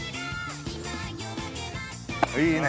いいね！